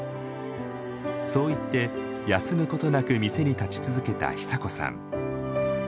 そう言って休むことなく店に立ち続けた久子さん。